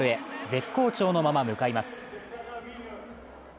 絶好調のまま向かいます。